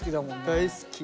大好き。